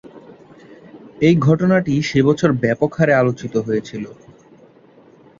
এই ঘটনাটি সে বছর ব্যাপক হারে আলোচিত হয়েছিলো।